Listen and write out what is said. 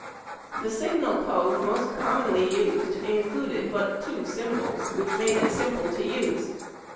The signal code most commonly used included but two symbols, which made it simple to use.